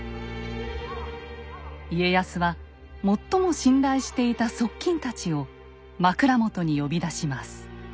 家康は最も信頼していた側近たちを枕元に呼び出します。